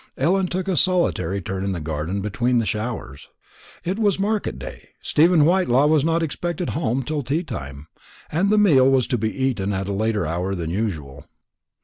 Ellen took a solitary turn in the garden between the showers. It was market day; Stephen Whitelaw was not expected home till tea time, and the meal was to be eaten at a later hour than usual.